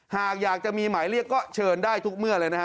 หากอยากจะมีหมายเรียกก็เชิญได้ทุกเมื่อเลยนะฮะ